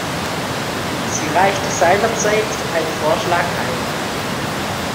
Sie reichte seinerzeit einen Vorschlag ein.